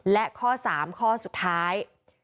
และข้อ๓ข้อสุดท้าย